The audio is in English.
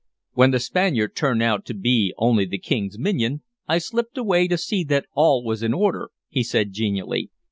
"When the Spaniard turned out to be only the King's minion, I slipped away to see that all was in order," he said genially.